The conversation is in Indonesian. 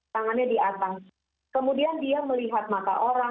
tangannya di atas kemudian dia melihat mata orang